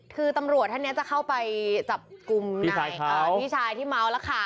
คือตำรวจท่านนี้จะเข้าไปจับกลุ่มนายพี่ชายที่เมาแล้วค่ะ